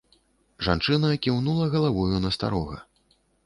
Жанчына кіўнула галавою на старога.